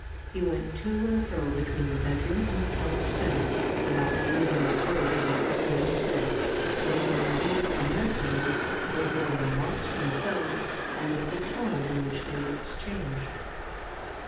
He went to and fro between the bedroom and the count's study, without losing a word of what was being said — ^making indeed a mental note both of the remarks themselves and of the tone in which they were ex changed."